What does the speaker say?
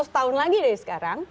seratus tahun lagi dari sekarang